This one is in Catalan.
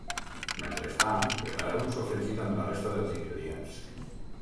Mentrestant, preparar un sofregit amb la resta dels ingredients.